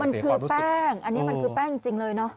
มันคือแป้งอันนี้มันคือแป้งจริงเลยเนอะ